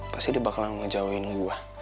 pasti dia bakalan ngejauhin gua